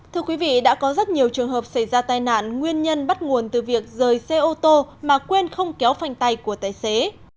thưa quý vị đã có rất nhiều trường hợp xảy ra tai nạn nguyên nhân bắt nguồn từ việc rời xe ô tô mà quên không kéo phanh tay của tài xế